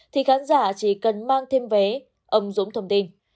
thì khán giả chỉ cần mang thêm vé ứng dụng thông tin